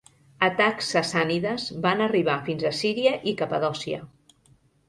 Atacs sassànides van arribar fins a Síria i Capadòcia.